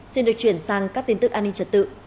xin được chuyển sang các tin tức an ninh